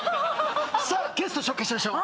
さあゲスト紹介しましょう。